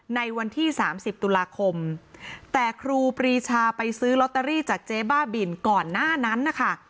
วันที่๓๐ตุลาคมแต่ครูปรีชาไปซื้อลอตเตอรี่จากเจ๊บ้าบินก่อนหน้านั้นนะคะ